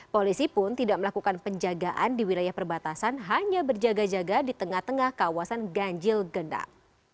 polisi pun tidak melakukan penjagaan di wilayah perbatasan hanya berjaga jaga di tengah tengah kawasan ganjil genap